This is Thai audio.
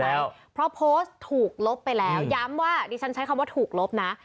แล้วเพราะโพสต์ถูกลบไปแล้วย้ำว่าดิฉันใช้คำว่าถูกลบนะ